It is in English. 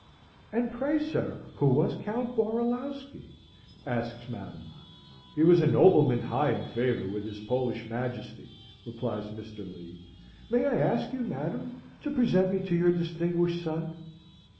"And pray, sir, who was Count Borulawski?" asks Madam. "He was a nobleman high in favour with his Polish Majesty," replies Mr. Lee. "May I ask you, madam, to present me to your distinguished son?"